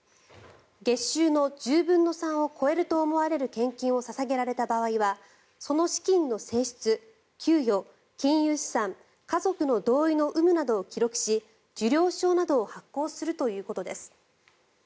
月収の１０分の３を超えると思われる献金を捧げられた場合はその資金の性質、給与、金融資産家族の同意の有無などを記録し受領証などを発行するということです。